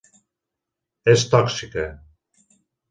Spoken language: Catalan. És tòxica.